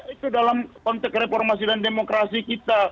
itu dalam konteks reformasi dan demokrasi kita